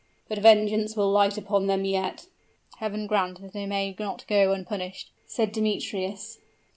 "But vengeance will light upon them yet!" "Heaven grant that they may not go unpunished!" said Demetrius.